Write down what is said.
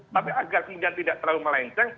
tapi agar kemudian tidak terlalu melenceng